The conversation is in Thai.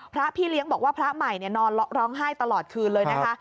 พระพี่เลี้ยงบอกว่าพระใหม่นอนร้องไห้ตลอดคืนเลยนะคะ